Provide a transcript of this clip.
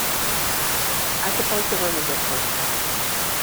I supposed the room was empty.